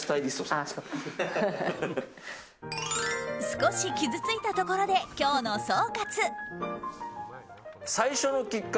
少し傷ついたところで今日の総括。